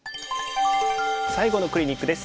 最後のクリニックです。